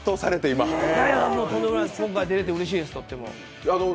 今回出れてうれしいです、とっても。